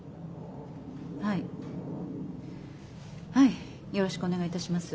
はいはいよろしくお願いいたします。